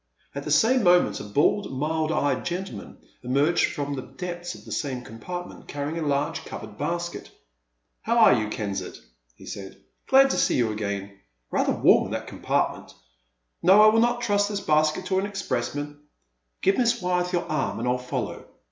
*' At the same moment a bald, mild eyed gentleman emerged from the depths of the same compart ment carrying a large covered basket. How are you, Kensett?'* he said. Glad to see you again. Rather warm in that compart ment — no I will not trust this basket to an ex pressman ; give Miss Wyeth your arm and I '11 follow.